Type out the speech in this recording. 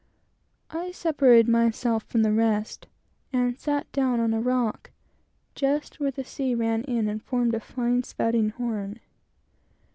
I separated myself from the rest and sat down on a rock, just where the sea ran in and formed a fine spouting horn.